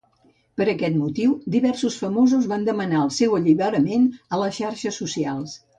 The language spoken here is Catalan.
Per aquest motiu diversos famosos van demanar el seu alliberament a les xarxes socials.